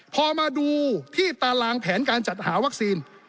พอมาดูที่ตารางแผนการจัดหาวัคซีน